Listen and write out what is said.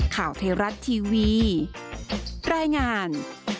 ข่าวไทยรัฐทีวีรายงาน